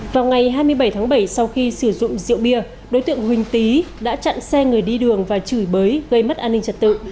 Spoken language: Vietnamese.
vào ngày hai mươi bảy tháng bảy sau khi sử dụng rượu bia đối tượng huỳnh tý đã chặn xe người đi đường và chửi bới gây mất an ninh trật tự